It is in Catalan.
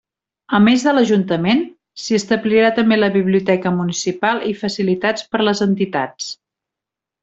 A més de l'ajuntament, s'hi establirà també la biblioteca municipal i facilitats per les entitats.